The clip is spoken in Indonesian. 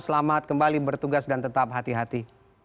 selamat kembali bertugas dan tetap hati hati